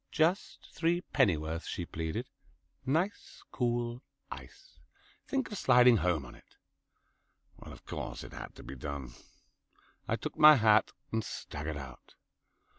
"Just threepennyworth," she pleaded. "Nice cool ice. Think of sliding home on it." Well, of course it had to be done. I took my hat and staggered out.